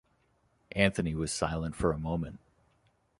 Anthony was silent for a moment.